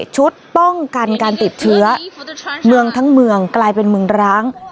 ชุดป้องกันการติดเชื้อเมืองทั้งเมืองกลายเป็นเมืองร้าง